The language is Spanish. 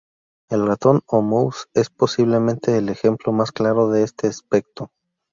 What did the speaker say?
El ratón o "mouse" es posiblemente el ejemplo más claro de este aspecto.